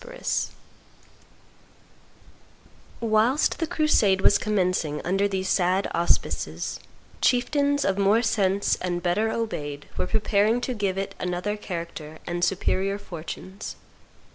[Illustration: The Assault on St. Jean d'Acre 386] Whilst the crusade was commencing under these sad auspices, chieftains of more sense and better obeyed were preparing to give it another character and superior fortunes.